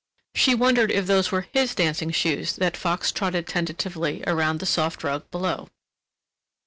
She wondered if those were his dancing shoes that fox trotted tentatively around the soft rug below.